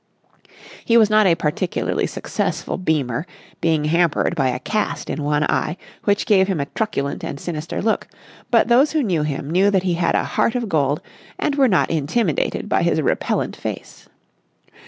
He was not a particularly successful beamer, being hampered by a cast in one eye which gave him a truculent and sinister look; but those who knew him knew that he had a heart of gold and were not intimidated by his repellent face.